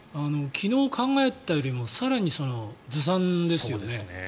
昨日、考えてたよりも更にずさんですよね。